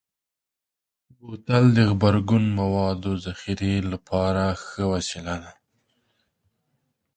بوتل د غبرګون موادو ذخیره لپاره ښه وسیله ده.